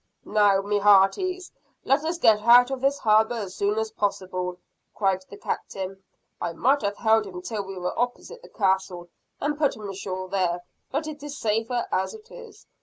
"Now, my hearties! let us get out of this harbor as soon as possible!" cried the Captain. "I might have held him till we were opposite the castle, and put him ashore there; but it is safer as it is.